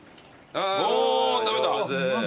お食べた。